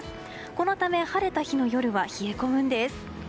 このため晴れた日の夜は冷え込むんです。